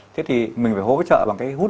thế thì mình phải hỗ trợ bằng cái hút